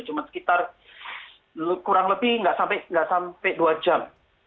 cuma sekitar kurang lebih nggak sampai dua jam